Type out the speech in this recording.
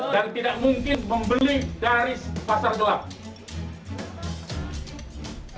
dan tidak mungkin membeli dari pasar gelap